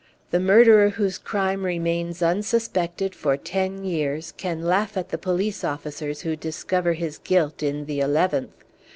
The murderer whose crime remains unsuspected for ten years can laugh at the police officers who discover his guilt in the eleventh.